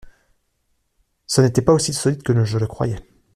Ce n’était pas aussi solide que je le croyais.